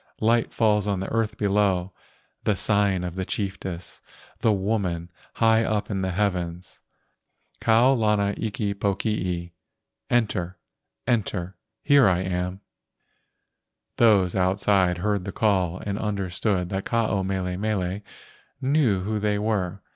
Light falls on the earth below. The sign of the chiefess, The woman high up in the heavens, Kau lana iki pokii, Enter, enter, here am I." Those outside heard the call and understood that Ke ao mele mele knew who they were.